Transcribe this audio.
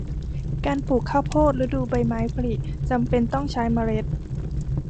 การปลูกข้าวโพดฤดูใบไม้ผลิจำเป็นต้องใช้เมล็ด